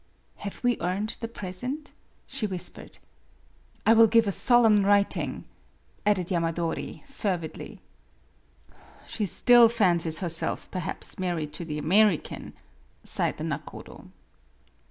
" Have we earned the present ?" she whispered. "I will give a solemn writing," added Yamadori, fervidly. " She still fancies herself perhaps married to the American," sighed the nakodo.